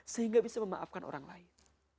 sehingga bisa memaafkan orang lain